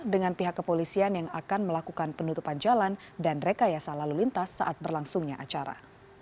dengan pihak kepolisian yang akan melakukan penutupan jalan dan rekayasa lalu lintas saat berlangsungnya acara